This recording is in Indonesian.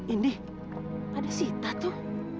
indi ada sita tuh